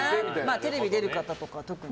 テレビ出る方とか特に。